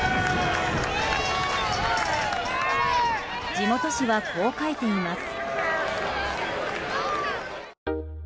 地元紙は、こう書いています。